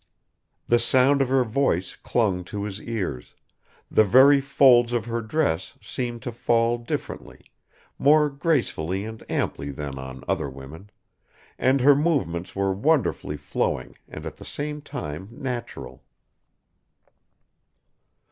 The sound of her voice clung to his ears, the very folds of her dress seemed to fall differently more gracefully and amply than on other women and her movements were wonderfully flowing and at the same time natural.